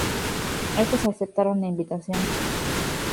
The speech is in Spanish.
Estos aceptaron la invitación.